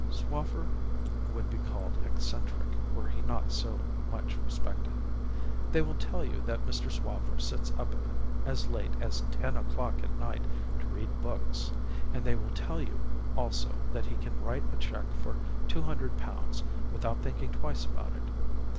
"Swaffer would be called eccentric were he not so much respected. They will tell you that Mr. Swaffer sits up as late as ten o'clock at night to read books, and they will tell you also that he can write a cheque for two hundred pounds without thinking twice about it.